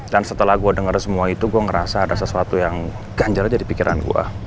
dan setelah gue denger semua itu gue ngerasa ada sesuatu yang ganjal aja di pikiran gue